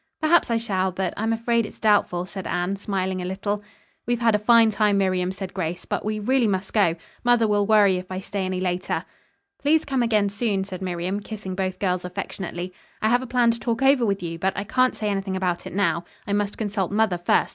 "Perhaps I shall, but I'm afraid it's doubtful," said Anne, smiling a little. "We've had a fine time, Miriam," said Grace, "but we really must go. Mother will worry if I stay any later." "Please come again soon," said Miriam, kissing both girls affectionately. "I have a plan to talk over with you, but I can't say anything about it now. I must consult mother first.